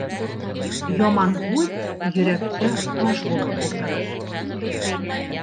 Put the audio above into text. Яман һүҙ йөрәккә таш булып ултырыр.